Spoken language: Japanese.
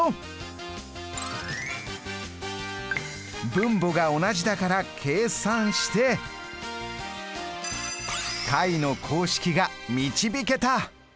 分母が同じだから計算して解の公式が導けた。